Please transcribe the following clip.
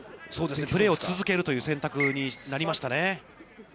プレーを続けるという選択になりましたね。